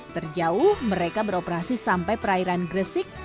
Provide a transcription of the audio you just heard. terjauh mereka beroperasi sampai perairan gresik